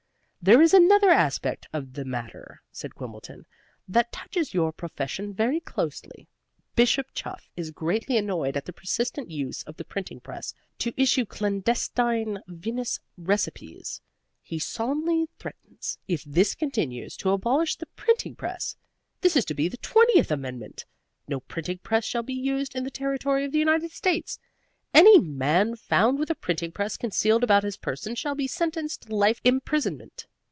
"There is another aspect of the matter," said Quimbleton, "that touches your profession very closely. Bishop Chuff is greatly annoyed at the persistent use of the printing press to issue clandestine vinous recipes. He solemnly threatens, if this continues, to abolish the printing press. This is to be the Twentieth Amendment. No printing press shall be used in the territory of the United States. Any man found with a printing press concealed about his person shall be sentenced to life imprisonment.